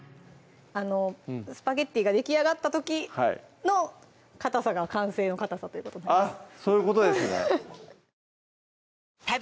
スパゲッティができあがった時のかたさが完成のかたさということですあっ